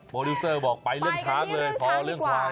โปรดิวเซอร์บอกไปเรื่องช้างเลย